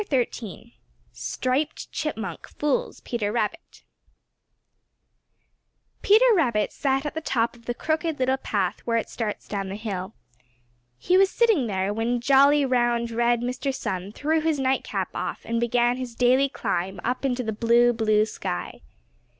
XIII STRIPED CHIPMUNK FOOLS PETER RABBIT Peter Rabbit sat at the top of the Crooked Little Path where it starts down the hill. He was sitting there when jolly, round, red Mr. Sun threw his nightcap off and began his daily climb up into the blue, blue sky.